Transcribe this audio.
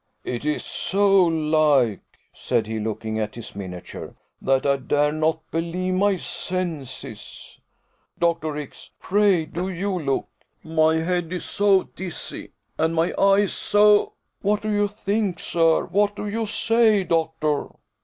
"It is so like," said he, looking at his miniature, "that I dare not believe my senses. Dr. X , pray do you look. My head is so dizzy, and my eyes so What do you think, sir? What do you say, doctor?"